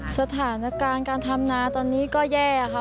สถานการณ์การทำนาตอนนี้ก็แย่ค่ะ